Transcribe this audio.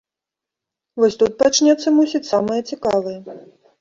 Вось тут пачнецца, мусіць, самае цікавае.